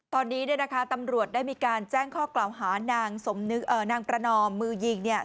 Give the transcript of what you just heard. ตอนนี้ตำรวจได้มีการแจ้งข้อกล่าวฮานางนางประนองมือยิง